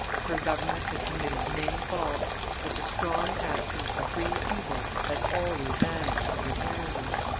Her government had committed many faults; but the strong action of a free people had always managed to repair them.